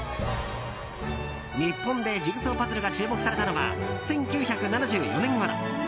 日本でジグソーパズルが注目されたのは１９７４年ごろ。